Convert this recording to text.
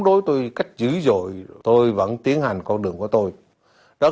tôi được tìm được khoảngng czech đến cả những thành phố vũng đại